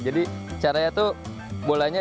jadi caranya itu bolanya